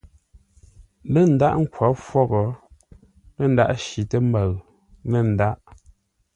Lə̂ ndâghʼ ńkhwǒr fwôghʼ, lə̂ ndâghʼ shitə́ mbəʉ, lə̂ ndâghʼ.